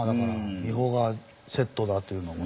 三保がセットだというのもね。